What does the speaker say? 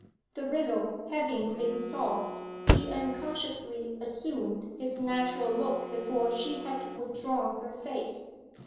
The riddle having been solved, he unconsciously assumed his natural look before she had withdrawn her face.